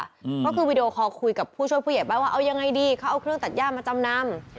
เพราะคือวีดีโอคอลคุยกับผู้ช่วยผู้ใหญ่บ้านว่าเอายังไงดีเขาเอาเครื่องตัดย่ามาจำนำ